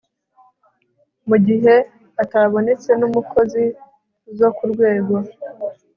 mu gihe atabonetse n umukozi zo ku rwego